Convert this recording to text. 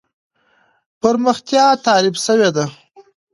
پرمختيا تعريف سوې ده.